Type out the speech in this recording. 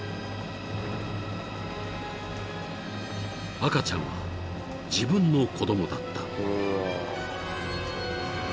［赤ちゃんは自分の子供だった］